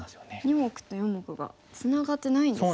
２目と４目がツナがってないんですね。